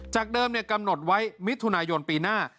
เดิมกำหนดไว้มิถุนายนปีหน้า